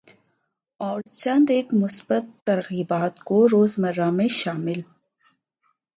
اور چند ایک مثبت ترغیبات کو روزمرہ میں شامل